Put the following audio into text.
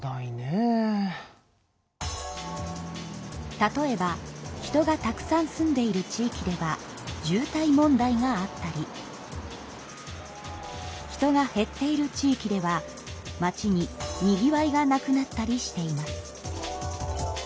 例えば人がたくさん住んでいる地域では渋滞問題があったり人が減っている地域では町ににぎわいがなくなったりしています。